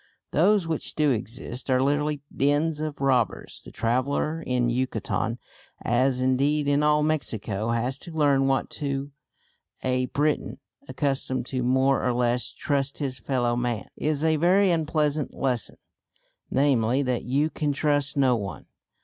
Those which do exist are literally dens of robbers. The traveller in Yucatan as indeed in all Mexico has to learn what to a Briton, accustomed to more or less trust his fellow man, is a very unpleasant lesson, namely that you can trust no one.